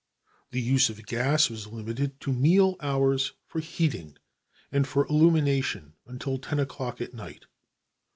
The use of gas was limited to meal hours for heating, and for illumination until ten o'clock at night.